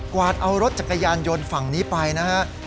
วาดเอารถจักรยานยนต์ฝั่งนี้ไปนะฮะ